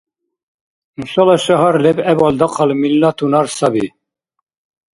Нушала шагьар лебгӀебал дахъал миллатунар саби